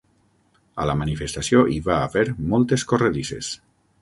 A la manifestació hi va haver moltes corredisses.